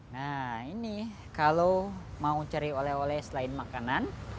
nah ini kalau mau cari oleh oleh selain makanan